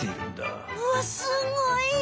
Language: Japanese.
うわすごい！